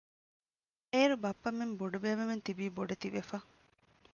އޭރު ބައްޕަމެން ބޮޑުބޭބެމެން ތިބީ ބޮޑެތި ވެފަ